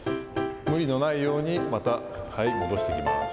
無理のないように、また戻していきます。